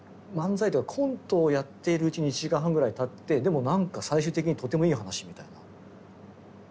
漫才というかコントをやっているうちに１時間半ぐらいたってでも何か最終的にとてもいい話みたいな。